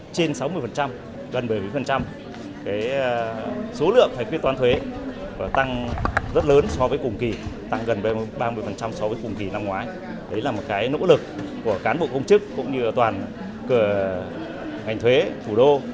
trên sáu mươi gần bảy mươi số lượng phải quyết toán thuế tăng rất lớn so với cùng kỳ tăng gần ba mươi so với cùng kỳ năm ngoái đấy là một cái nỗ lực của cán bộ công chức cũng như toàn ngành thuế thủ đô